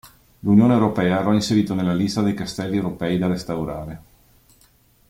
L'Unione europea lo ha inserito nella lista dei castelli europei da restaurare.